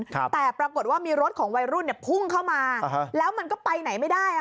แต่ปรากฏว่ามีรถของวัยรุ่นเนี่ยพุ่งเข้ามาแล้วมันก็ไปไหนไม่ได้อ่ะ